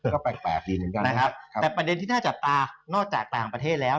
ก็แปลกดีเหมือนกันนะครับแต่ประเด็นที่น่าจับตานอกจากต่างประเทศแล้ว